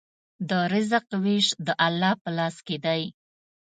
د رزق وېش د الله په لاس کې دی.